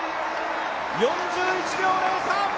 ４１秒０３！